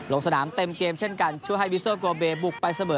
ลงสนามเต็มเกมเช่นกันช่วยให้วิเซอร์โกเบบุกไปเสมอ